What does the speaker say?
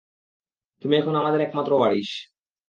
তুমি এখন আমাদের একমাত্র ওয়ারিস।